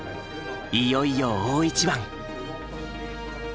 いよいよ大一番。